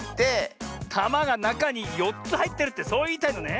たまがなかに４つはいってるってそういいたいのね。